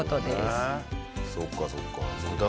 そうかそうか。